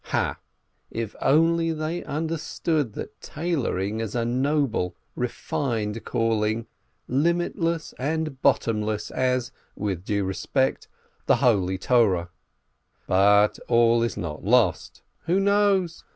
Ha, if only they understood that tailoring is a noble, refined calling, limitless and bottomless as (with due dis tinction !) the holy Torah ! But all is not lost. Who knows?